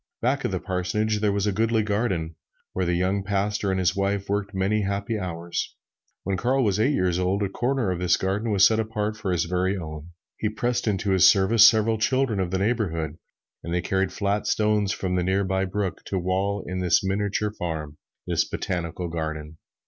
Back of the parsonage there was a goodly garden, where the young pastor and his wife worked many happy hours. When Carl was eight years of age, a corner of this garden was set apart for his very own. He pressed into his service several children of the neighborhood, and they carried flat stones from the near by brook to wall in this miniature farm this botanical garden.